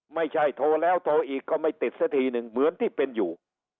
ไม่ใช่โทรแล้วโทรอีกก็ไม่ติดซะทีหนึ่งเหมือนที่เป็นอยู่